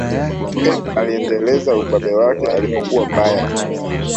pep aliendeleza ubabe wake alipokuwa bayern